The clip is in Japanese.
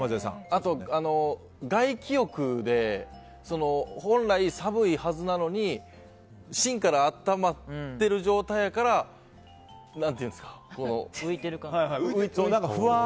あと、外気浴で本来寒いはずなのに芯から温まってる状態やから何ていうんですか浮いているというか。